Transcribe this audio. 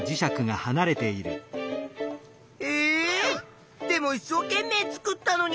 えでもいっしょうけんめい作ったのに！